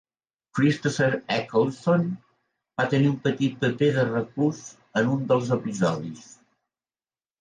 Christopher Eccleston va tenir un petit paper de reclús en un dels episodis.